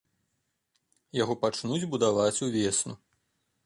Яго пачнуць будаваць увесну.